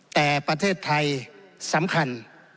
แต่ประเทศไทยสำคัญ